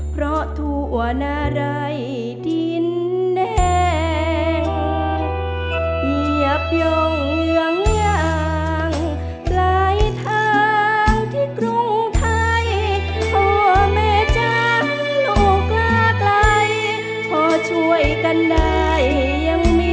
เพลงที่๒เพลงมาครับขอโชคดี